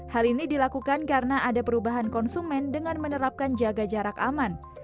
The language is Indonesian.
hal ini dilakukan karena ada perubahan konsumen dengan menerapkan jaga jarak aman